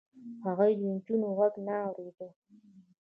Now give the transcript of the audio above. هغوی د نجونو غږ نه اورېد.